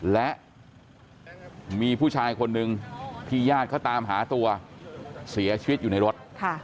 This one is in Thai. และมีผู้ชายคนหนึ่งที่ญาติเขาตามหาตัวเสียชีวิตอยู่ในรถ